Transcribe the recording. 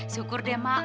syukur deh mak